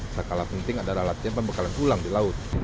sekala penting adalah latihan pembekalan pulang di laut